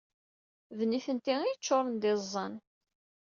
D nitenti ay yeččuṛen d iẓẓan.